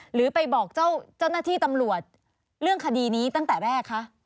หรือไปบอกเจ้าหน้าที่ตำรวจเรื่องคดีนี้ตั้งแต่แรกคะ